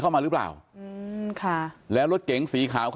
เข้ามาหรือบ้างค่ะ